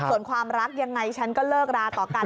ส่วนความรักยังไงฉันก็เลิกราต่อกัน